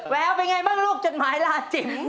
แววเป็นไงบ้างลูกจดหมายลาจิ๋ม